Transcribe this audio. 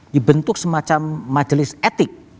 dibentuk semacam majelis etik